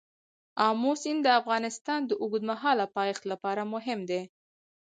آمو سیند د افغانستان د اوږدمهاله پایښت لپاره مهم دی.